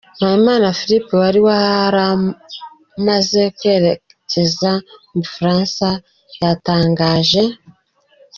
Mpayimana Philippe wari waramaze kwerekeza mu Bufaransa, yatangaje.